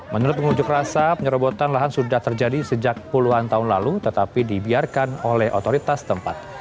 menurut pengunjuk rasa penyerobotan lahan sudah terjadi sejak puluhan tahun lalu tetapi dibiarkan oleh otoritas tempat